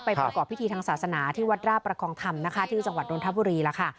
ไปประกอบพิธีทางศาสนาที่วัดราประคองธรรมที่จังหวัดลุทธพุรีล่ะค่ะ